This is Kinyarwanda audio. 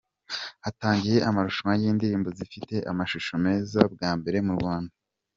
Hatangiye amarushanwa y’indirimbo zifite amashusho meza bwa mbere mu Rwanda